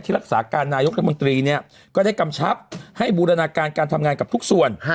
รักษาการนายกรัฐมนตรีเนี่ยก็ได้กำชับให้บูรณาการการทำงานกับทุกส่วน